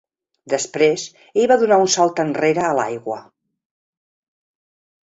Després ell va donar un salt enrere a l'aigua.